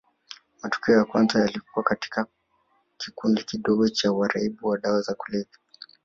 Matukio ya kwanza yalikuwa katika kikundi kidogo cha waraibu wa dawa za kulevya